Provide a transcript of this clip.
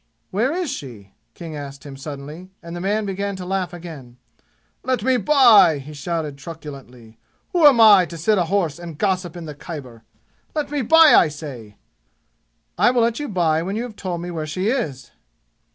"Where is she?" King asked him suddenly, and the man began to laugh again. "Let me by!" he shouted truculently. "Who am I to sit a horse and gossip in the Khyber? Let me by, I say!" "I will let you by when you have told me where she is!"